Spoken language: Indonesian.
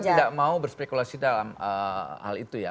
saya tidak mau berspekulasi dalam hal itu ya